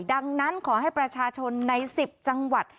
ดังนั้นขอให้ประชาชนใน๑๐จังหวัด